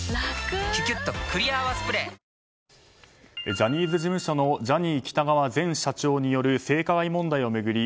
ジャニーズ事務所のジャニー喜多川前社長による性加害問題を巡り